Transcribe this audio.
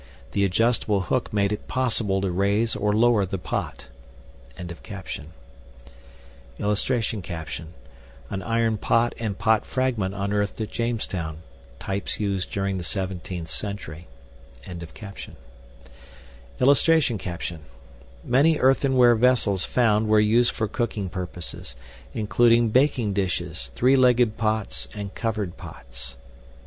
THE ADJUSTABLE HOOK MADE IT POSSIBLE TO RAISE OR LOWER THE POT.] [Illustration: AN IRON POT AND POT FRAGMENT UNEARTHED AT JAMESTOWN TYPES USED DURING THE 17TH CENTURY.] [Illustration: MANY EARTHENWARE VESSELS FOUND WERE USED FOR COOKING PURPOSES, INCLUDING BAKING DISHES, THREE LEGGED POTS, AND COVERED POTS.